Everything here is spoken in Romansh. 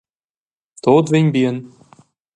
Tut vegn bien.